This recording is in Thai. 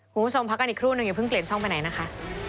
คุณผู้ชมพักกันอีกครู่นึงอย่าเพิ่งเปลี่ยนช่องไปไหนนะคะ